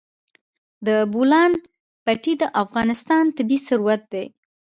د بولان پټي د افغانستان طبعي ثروت دی.